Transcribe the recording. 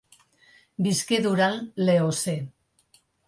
Visqué durant l’Eocè.